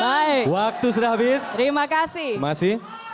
baik waktu sudah habis terima kasih terima kasih